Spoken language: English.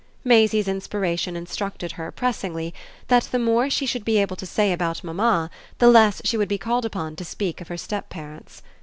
Maisie's inspiration instructed her, pressingly, that the more she should be able to say about mamma the less she would be called upon to speak of her step parents.